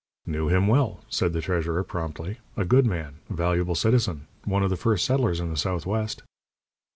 "Knew him well," said the treasurer, promptly. "A good man. A valuable citizen. One of the first settlers in the Southwest."